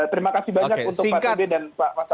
terima kasih banyak untuk pak t b dan pak mas alas